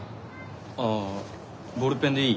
あぁボールペンでいい？